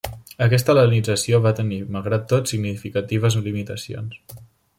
Aquesta hel·lenització va tenir, malgrat tot, significatives limitacions.